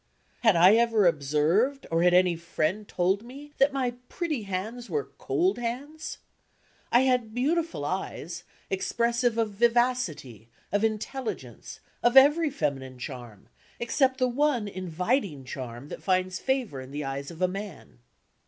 Had I ever observed or had any friend told me that my pretty hands were cold hands? I had beautiful eyes, expressive of vivacity, of intelligence, of every feminine charm, except the one inviting charm that finds favor in the eyes of a man.